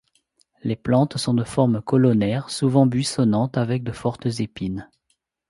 Les plantes sont de forme colonnaire, souvent buissonnantes avec de fortes épines.